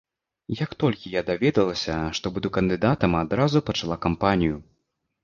Як толькі я даведалася, што буду кандыдатам, адразу пачала кампанію.